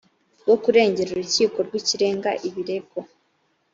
bwo kuregera urukiko rw ikirenga ibirego